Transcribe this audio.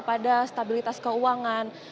ada stabilitas keuangan